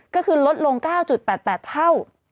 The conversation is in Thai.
ก็คือลดลง๙๘๘เท่า